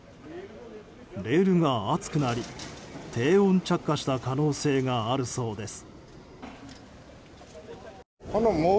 レールが熱くなり低温着火した可能性があるそうです。